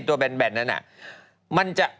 แบนนั้นน่ะ